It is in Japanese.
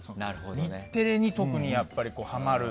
日テレに特にやっぱりハマる。